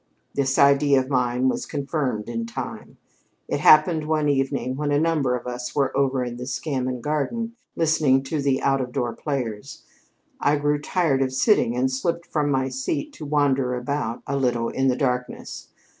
This idea of mine was confirmed in time. It happened one evening when a number of us were over in the Scammon Garden listening to the out of door players. I grew tired of sitting and slipped from my seat to wander about a little in the darkness.